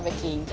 gak usah nge try